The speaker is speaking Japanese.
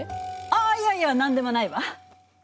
あいやいや何でもないわ！